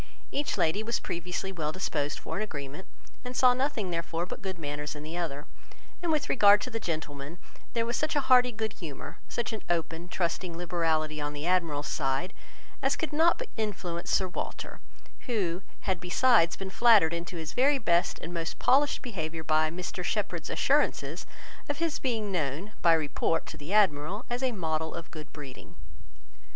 Each lady was previously well disposed for an agreement, and saw nothing, therefore, but good manners in the other; and with regard to the gentlemen, there was such an hearty good humour, such an open, trusting liberality on the Admiral's side, as could not but influence Sir Walter, who had besides been flattered into his very best and most polished behaviour by Mr Shepherd's assurances of his being known, by report, to the Admiral, as a model of good breeding.